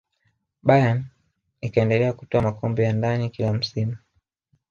bayern ikaendelea kutwaa makombe ya ndani kila msimu